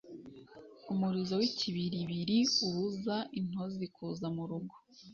Umurizo w’ikibiribiri ubuza intozi kuza mu rugo,